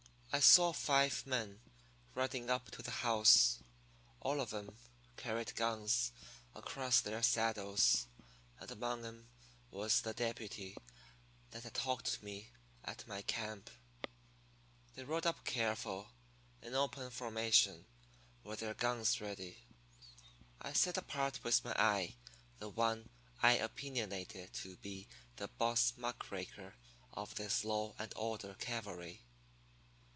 "I saw five men riding up to the house. All of 'em carried guns across their saddles, and among 'em was the deputy that had talked to me at my camp. "They rode up careful, in open formation, with their guns ready. I set apart with my eye the one I opinionated to be the boss muck raker of this law and order cavalry.